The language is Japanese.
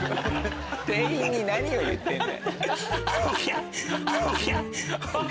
店員に何を言ってんだよ！ＯＫ！